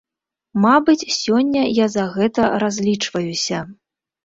Мабыць, сёння я за гэта разлічваюся.